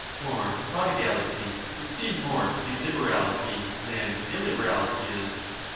For prodigality would seem more to be liberality than illiberality is.